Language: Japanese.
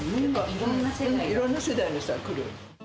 いろんな世代が来る。